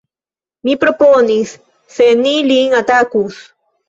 mi proponis: se ni lin atakus!